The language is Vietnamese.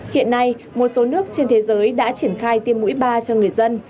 hiện nay một số nước trên thế giới đã triển khai tiêm mũi ba cho người dân